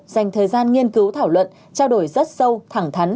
dành thời gian nghiên cứu thảo luận trao đổi rất sâu thẳng thắn